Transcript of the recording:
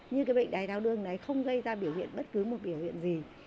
như cái bệnh đáy tháo đường này không gây ra biểu hiện bất cứ một biểu hiện gì